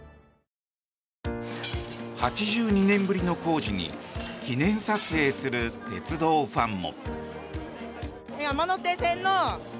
８２年ぶりの工事に記念撮影する鉄道ファンも。